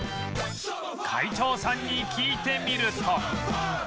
会長さんに聞いてみると